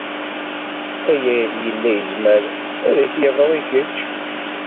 Aya yella yezmer ad ak-yeḍru i kečč.